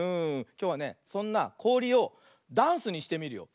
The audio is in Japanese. きょうはねそんなこおりをダンスにしてみるよ。